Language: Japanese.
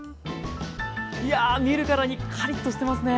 いや見るからにカリッとしてますね。